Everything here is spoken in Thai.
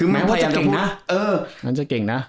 แม้ว่าจะเก่งนะ